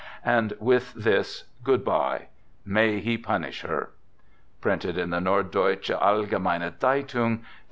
And with this gpod by. " May He punish her! "— Printed in the Norddeutsche Allgemeine Zei tung, Dec.